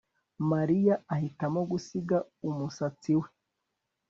Mariya ahitamo gusiga umusatsi we